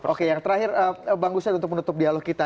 oke yang terakhir bang husset untuk menutup dialog kita